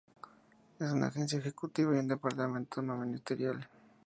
Es una agencia ejecutiva y un departamento no ministerial.